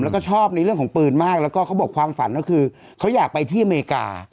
แล้วก็ชอบในเรื่องของปืนมากแล้วก็เขาบอกความฝันก็คือเขาอยากไปที่อเมริกา